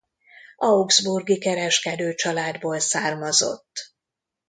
Augsburgi kereskedőcsaládból származott.